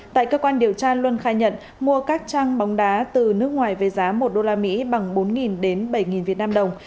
tại cơ quan điều tra luân khai nhận mua các trang bóng đá từ nước ngoài về giá một đô la mỹ bằng bốn đến bảy việt nam đồng